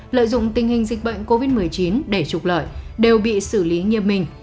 lợi dụng tình hình dịch bệnh covid một mươi chín để trục lợi đều bị xử lý nghiêm minh